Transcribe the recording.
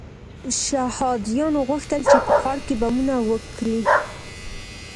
شهادیانو غوښتل چې په خوړ کې بمونه وکري.